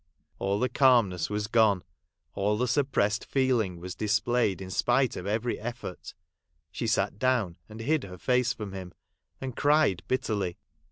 All the calmness was gone ; all the suppressed feeling was dis played in spite of every effort. She sat down, and hid her face from him, and cried bitterly.